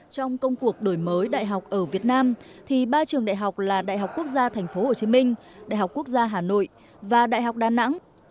trong công cuộc đổi mới đại học ở việt nam thì ba trường đại học là đại học quốc gia tp hcm đại học quốc gia hà nội và đại học đà nẵng